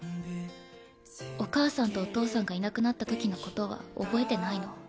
お母さんとお父さんがいなくなったときのことは覚えてないの。